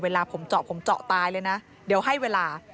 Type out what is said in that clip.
เวลาผมเจาะผมเจาะตายเลยนะ